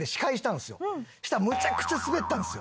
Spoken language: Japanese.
そしたらむちゃくちゃスベったんですよ。